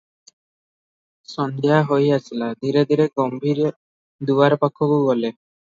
ସନ୍ଧ୍ୟା ହୋଇ ଆସିଲା, ଧୀରେ ଧୀରେ ଗମ୍ଭୀରି ଦୁଆର ପାଖକୁ ଗଲେ ।